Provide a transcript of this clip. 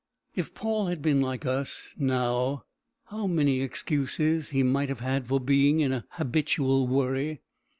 If Paul had been like us, now, how many excuses he might have had for being in a habitual worry!